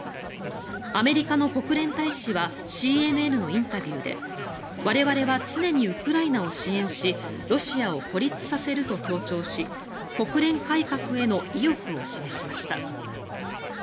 アメリカの国連大使はＣＮＮのインタビューで我々は常にウクライナを支援しロシアを孤立させると強調し国連改革への意欲を示しました。